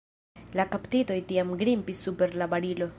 La kaptitoj tiam grimpis super la barilo.